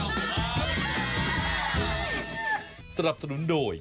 สำหรับสนุนโดย